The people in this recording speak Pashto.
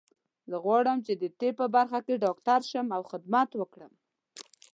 زه غواړم چې د طب په برخه کې ډاکټر شم او خدمت وکړم